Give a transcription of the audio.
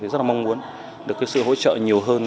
rất là mong muốn được sự hỗ trợ nhiều hơn